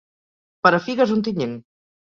Per a figues, Ontinyent.